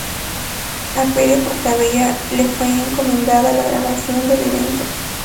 A Pere Portabella le fue encomendada la grabación del evento.